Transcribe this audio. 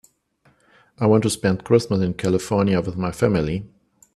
I want to spend Christmas in California with my family.